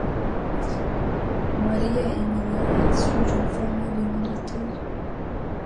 Maria Emilia est issue d'une famille de militaires.